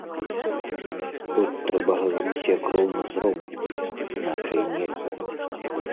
Тут трэба гаварыць як роўны з роўным, іначай нельга.